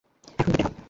এখন বিদেয় হ।